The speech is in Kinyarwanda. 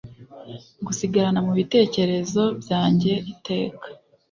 Ngusigarana mubitekerezo byanjye iteka